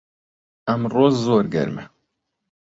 ئەمڕۆ زۆر گەرمە